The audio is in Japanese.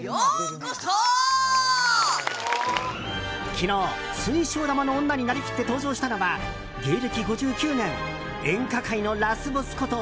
昨日、水晶玉の女になりきって登場したのは芸歴５９年演歌界のラスボスこと